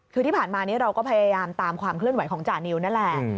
คือที่ผ่านมานี้เราก็พยายามตามความเคลื่อนไหวของจานิวนั่นแหละ